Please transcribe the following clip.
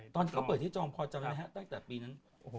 ตอนเขาเปิดที่จองพอจำทั้งแต่ปีนั้น